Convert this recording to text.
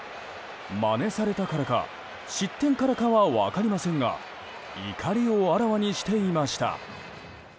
まねされたからか失点からかは分かりませんが怒りをあらわにしていました。